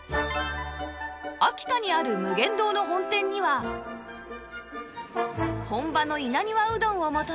秋田にある無限堂の本店には本場の稲庭うどんを求め